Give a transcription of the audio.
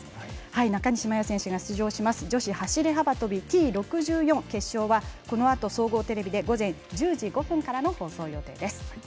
中西麻耶選手が出場します女子走り幅跳びＴ６４決勝はこのあと総合テレビで午前１０時５分からの放送予定です。